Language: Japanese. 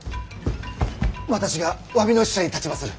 私が詫びの使者に立ちまする。